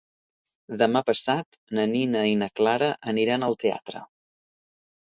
Demà passat na Nina i na Clara aniran al teatre.